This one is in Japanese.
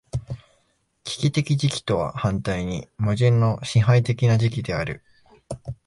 危機的時期とは反対に矛盾の支配的な時期である。